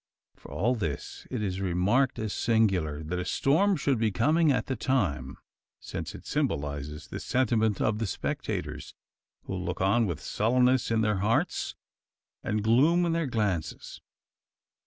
For all this, it is remarked as singular, that a storm should be coming at the time: since it symbolises the sentiment of the spectators, who look on with sullenness in their hearts, and gloom in their glances.